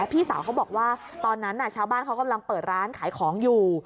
พี่สาวเขาบอกว่าตอนนั้นชาวบ้านเขากำลังเปิดร้านขายของอยู่